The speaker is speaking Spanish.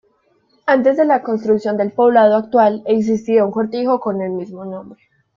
Antes de la construcción del poblado actual existía un cortijo con el mismo nombre.